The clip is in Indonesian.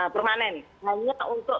permanen hanya untuk